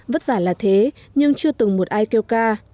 vất vả là thế nhưng chưa từng một ai kêu ca